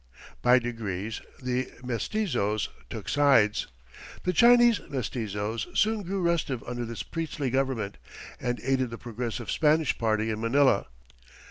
By degrees the mestizos took sides. The Chinese mestizos soon grew restive under this priestly government, and aided the progressive Spanish party in Manila.